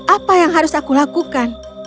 apa yang harus aku lakukan